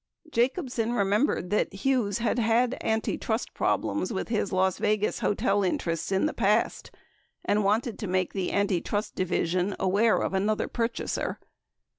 Jacobsen remembered that Hughes had had anti trust problems with his Las Vegas hotel interests in the past and wanted to make the Antitrust Division aware of another purchaser.